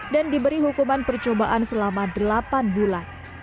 dan diberi hukuman percobaan selama delapan bulan